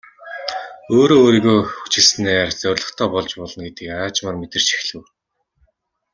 Өөрөө өөрийгөө хүчилснээр зорилготой болж болно гэдгийг аажмаар мэдэрч эхлэв.